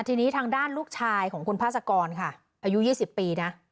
ทีนี้ทางด้านลูกชายของคุณพาสกรค่ะอายุ๒๐ปีนะ